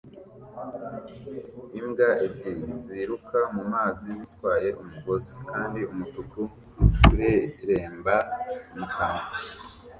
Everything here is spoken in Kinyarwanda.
Imbwa ebyiri ziruka mu mazi zitwaye umugozi kandi umutuku ureremba mu kanwa